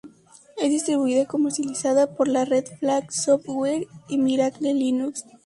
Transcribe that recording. Es distribuida y comercializada por la Red Flag Software y Miracle Linux.